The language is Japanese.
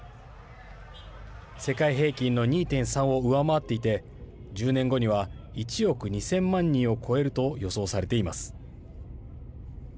世界平均の２．３を上回っていて１０年後には１億２０００万人を超えると予想されています。